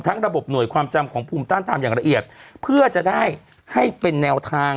ระบบหน่วยความจำของภูมิต้านทำอย่างละเอียดเพื่อจะได้ให้เป็นแนวทาง